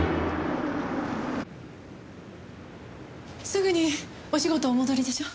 すぐにお仕事お戻りでしょ？